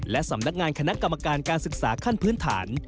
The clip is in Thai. และสำนักงานคณะกรรมการการศึกษาขั้นพื้นฐาน